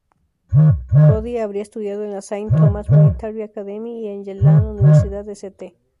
Cody habría estudiado en la Saint Thomas Military Academy y en la Universidad St.